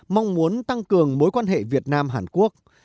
mong muốn tăng cường mối quan hệ việt nam hàn quốc